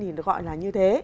thì nó gọi là như thế